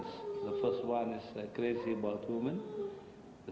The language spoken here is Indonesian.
yang pertama adalah orang gila tentang wanita